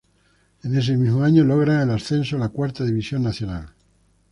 En ese mismo año logran el ascenso a la cuarta división nacional.